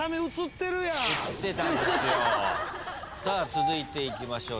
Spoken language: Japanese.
続いていきましょう。